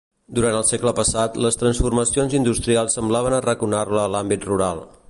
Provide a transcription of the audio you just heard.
Durant el segle passat, les transformacions industrials semblaven arraconar-la a l’àmbit rural.